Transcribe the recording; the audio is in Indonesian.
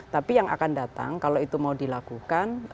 tapi yang akan datang kalau itu mau dilakukan